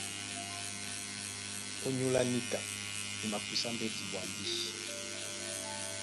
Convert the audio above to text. Ónyólá níka e makusá mbɛ́ti ɓwambì.